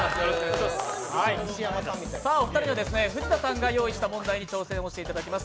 お二人には藤田さんが用意した問題に挑戦していただきます。